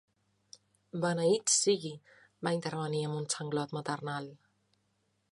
"Beneït sigui!" va intervenir amb un sanglot maternal.